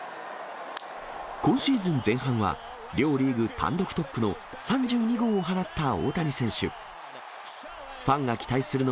今シーズン前半は、両リーグ単独トップの３２号を放った大谷選手。